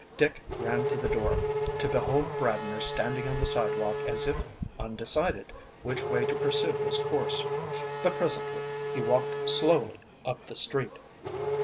Dick ran to the door, to behold Bradner standing on the sidewalk as if undecided which way to pursue his course. But presently he walked slowly up the street.